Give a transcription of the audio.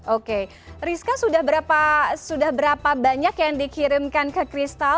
oke rizka sudah berapa banyak yang dikirimkan ke kristal